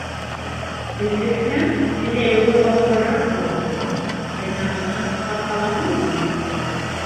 Өҙлөкһәң — төҙәлеүе ауырыраҡ була ул. Ҡайнағанан хат алаһыңмы?